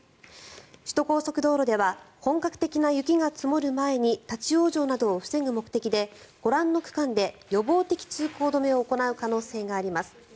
首都高速道路では本格的な雪が積もる前に立ち往生などを防ぐ目的でご覧の区間で予防的通行止めを行う可能性があります。